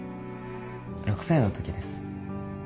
６歳のときです。